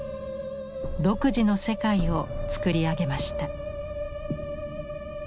独自の世界を作り上げました。